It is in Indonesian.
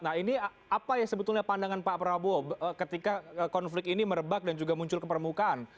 nah ini apa ya sebetulnya pandangan pak prabowo ketika konflik ini merebak dan juga muncul ke permukaan